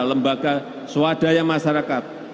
lembaga swadaya masyarakat